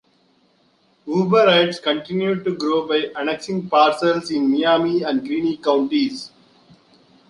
Huber Heights continued to grow by annexing parcels in Miami and Greene counties.